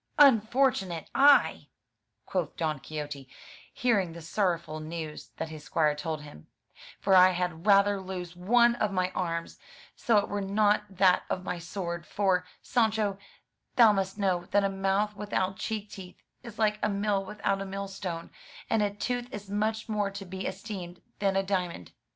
"Unfortunate I!" quoth Don Quixote, hearing the sorrowful news that his squire told him, "for I had rather lose one of my arms, so it were not that of my sword; for, Sancho, thou must know, that a mouth without cheek teeth is like a mill without a mill stone; and a tooth is much more to be esteemed than a diamond.